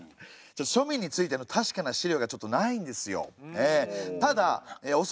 庶民についての確かな資料がちょっとないんですよ。